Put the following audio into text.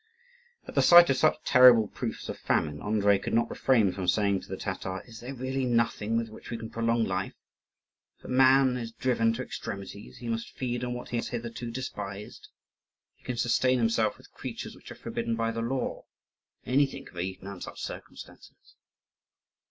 At the sight of such terrible proofs of famine, Andrii could not refrain from saying to the Tatar, "Is there really nothing with which they can prolong life? If a man is driven to extremities, he must feed on what he has hitherto despised; he can sustain himself with creatures which are forbidden by the law. Anything can be eaten under such circumstances."